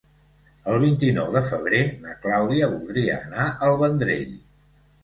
El vint-i-nou de febrer na Clàudia voldria anar al Vendrell.